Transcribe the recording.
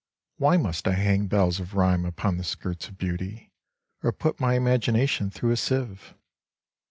Why must I hang bells of rhyme upon the skirts of beauty, Or put my imagination through a sieve